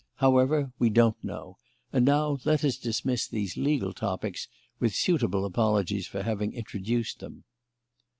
However, we don't know; and now let us dismiss these legal topics, with suitable apologies for having introduced them."